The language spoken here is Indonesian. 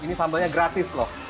ini sambalnya gratis loh